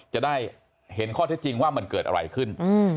จะได้เห็นข้อเท็จจริงว่ามันเกิดอะไรขึ้น